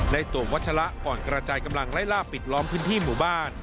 ตัววัชละก่อนกระจายกำลังไล่ล่าปิดล้อมพื้นที่หมู่บ้าน